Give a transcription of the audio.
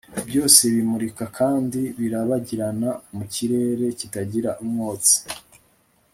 Byose bimurika kandi birabagirana mu kirere kitagira umwotsi